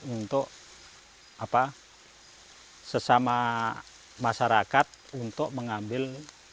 untuk sesama masyarakat untuk mengambil